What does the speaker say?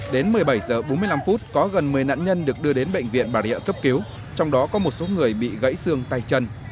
đến một mươi bảy h bốn mươi năm có gần một mươi nạn nhân được đưa đến bệnh viện bà rịa cấp cứu trong đó có một số người bị gãy xương tay chân